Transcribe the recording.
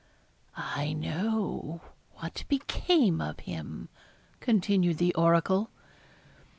'I know what became of him,' continued the oracle.